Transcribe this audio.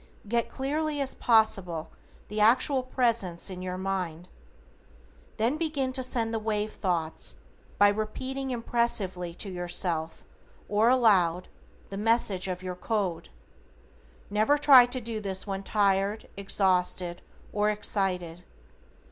Get clearly as possible the actual presence in your mind. Then begin to send the wave thoughts by repeating impressively to yourself, or aloud, the message of your code. Never try to do this when tired, exhausted, or excited.